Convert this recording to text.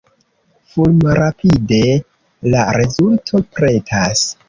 Fulmrapide la rezulto pretas.